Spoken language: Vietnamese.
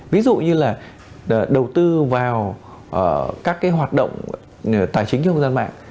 ví dụ như là đầu tư vào các hoạt động tài chính trên hông dân mạng